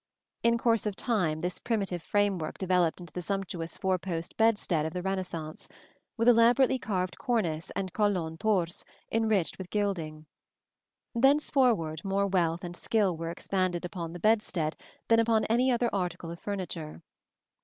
In course of time this primitive framework developed into the sumptuous four post bedstead of the Renaissance, with elaborately carved cornice and colonnes torses enriched with gilding. Thenceforward more wealth and skill were expended upon the bedstead than upon any other article of furniture.